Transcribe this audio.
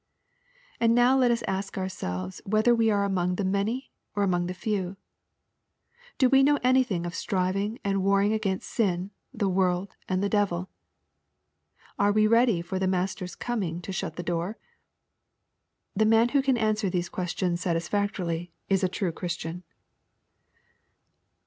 And now let us ask ourselves whether we are among the many or among the few ? Do we know anything of striving and warring against sin, the worM, and the devil ? Are we ready for the Master's coming to shut the door ? The man who can answer these questicns satisfactorily is a true Christian.